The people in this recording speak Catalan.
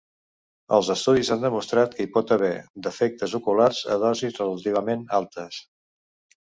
Els estudis han demostrat que hi pot haver defectes oculars a dosis relativament altes.